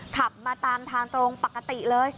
ขับมาตามทางตรงปกติเลย